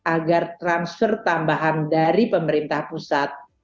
agar transfer tambahan dari pemerintah pusat